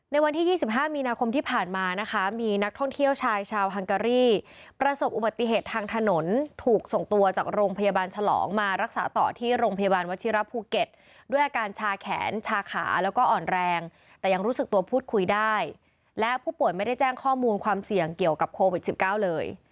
วันที่๒๕มีนาคมที่ผ่านมานะคะมีนักท่องเที่ยวชายชาวฮังการีประสบอุบัติเหตุทางถนนถูกส่งตัวจากโรงพยาบาลฉลองมารักษาต่อที่โรงพยาบาลวชิระภูเก็ตด้วยอาการชาแขนชาขาแล้วก็อ่อนแรงแต่ยังรู้สึกตัวพูดคุยได้และผู้ป่วยไม่ได้แจ้งข้อมูลความเสี่ยงเกี่ยวกับโควิด๑๙เลย